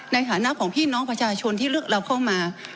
ในฐานะของพี่น้องประชาชนที่เลือกเราเข้ามา